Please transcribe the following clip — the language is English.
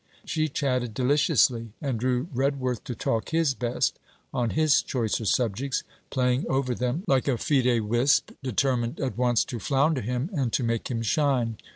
She chatted deliciously, and drew Redworth to talk his best on his choicer subjects, playing over them like a fide wisp, determined at once to flounder him and to make him shine.